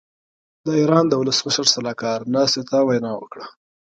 د ايران د ولسمشر سلاکار ناستې ته وینا وکړه.